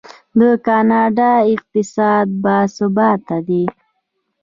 د کاناډا اقتصاد باثباته دی.